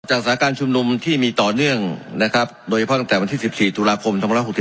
จากสถาการณ์ชุมรุมที่มีต่อเนื่องโดยเฉพาะตั้งแต่วันที่๑๔ธุระคม๑๙๖๓